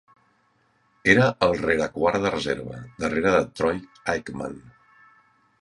Era el rerequart de reserva, darrere de Troy Aikman.